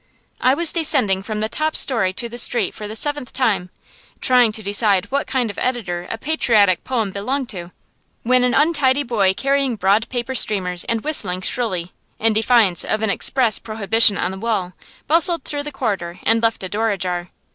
I was descending from the top story to the street for the seventh time, trying to decide what kind of editor a patriotic poem belonged to, when an untidy boy carrying broad paper streamers and whistling shrilly, in defiance of an express prohibition on the wall, bustled through the corridor and left a door ajar.